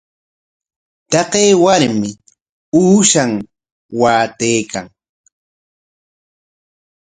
Taqay warmi uushan watraykan.